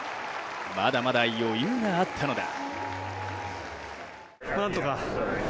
まだまだ余裕があったのだ。